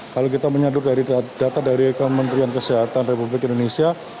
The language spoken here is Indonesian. kalau kita menyalur dari data dari kementerian kesehatan republik indonesia